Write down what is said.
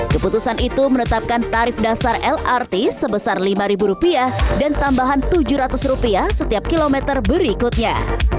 keputusan itu menetapkan tarif dasar lrt sebesar rp lima dan tambahan rp tujuh ratus setiap kilometer berikutnya